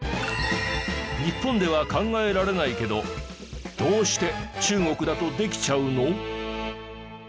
日本では考えられないけどどうして中国だとできちゃうの？